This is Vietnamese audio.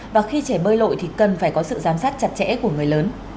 và khi trẻ bơi lội thì cần phải có sự giám sát chặt chẽ của người lớn